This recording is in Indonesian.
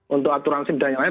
untuk aturan sindang yang lain